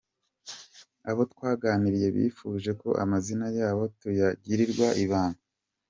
Abo twaganiriye bifuje ko amazina yabo tuyagirwa ibanga.